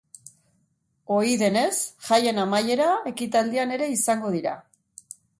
Ohi denez, jaien amaiera ekitaldian ere izango dira.